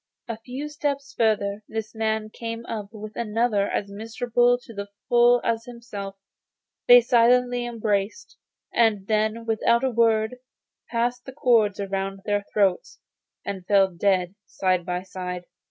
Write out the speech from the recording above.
A few steps further this man came up with another as miserable to the full as he himself; they silently embraced, and then without a word passed the cords round their throats, and fell dead side by side.